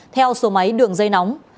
theo số máy đường dây nóng